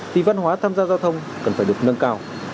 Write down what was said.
thì văn hóa tham gia giao thông cần phải được nâng cao